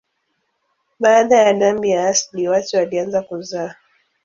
Baada ya dhambi ya asili watu walianza kuzaa.